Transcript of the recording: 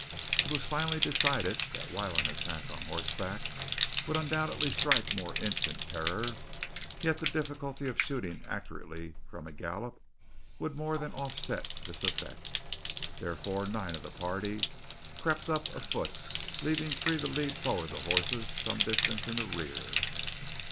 It was finally decided that while an attack on horseback would undoubtedly strike more instant terror, yet the difficulty of shooting accurately from a gallop would more than offset this effect. Therefore nine of the party crept up afoot, leaving three to lead forward the horses some distance in the rear.